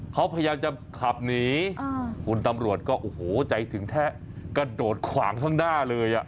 เขาพยายามจะขับหนีคุณตำรวจก็โอ้โหใจถึงแทะกระโดดขวางข้างหน้าเลย